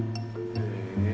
へえ。